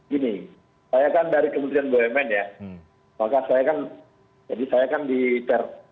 gini saya kan dari kementerian bumn ya maka saya kan di pamina gitu